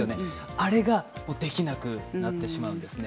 あれができなくなってしまうんですね。